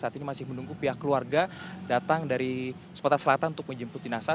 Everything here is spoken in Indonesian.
saat ini masih menunggu pihak keluarga datang dari sumatera selatan untuk menjemput jenazah